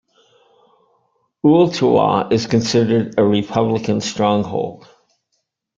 Ooltewah is considered a Republican stronghold.